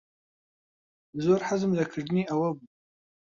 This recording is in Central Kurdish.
زۆر حەزم لە کردنی ئەوە بوو.